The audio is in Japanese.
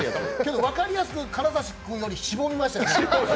分かりやすく金指君のよりしぼみましたよね。